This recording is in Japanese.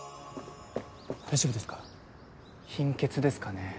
大丈夫ですか貧血ですかね。